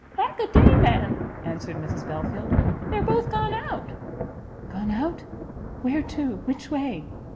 "Lack a day! ma'am," answered Mrs Belfield, "they are both gone out." "Gone out? where to? which way?"